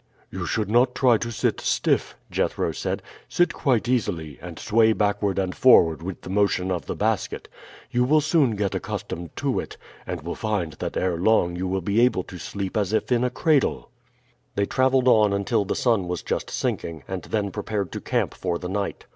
"You should not try to sit stiff," Jethro said. "Sit quite easily, and sway backward and forward with the motion of the basket. You will soon get accustomed to it, and will find that ere long you will be able to sleep as if in a cradle." They traveled on until the sun was just sinking, and then prepared to camp for the night.